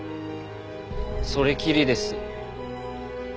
それきりです。